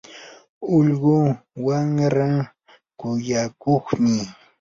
ullqu wamraa kuyakuqmi.